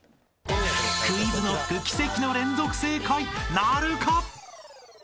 ［ＱｕｉｚＫｎｏｃｋ奇跡の連続正解なるか！？］